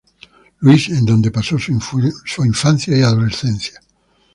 Louis, en donde pasó su infancia y adolescencia.